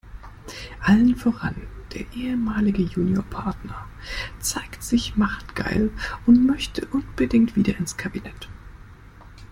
Allen voran der ehemalige Juniorpartner zeigt sich machtgeil und möchte unbedingt wieder ins Kabinett.